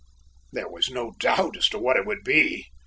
There was no doubt as to what it would be.